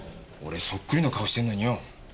俺そっくりの顔してんのによ。